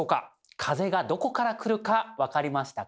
風がどこから来るか分かりましたか？